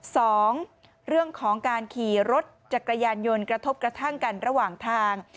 สองเรื่องของการขี่รถจักรยานยนต์กระทบกระทั่งกันระหว่างทาง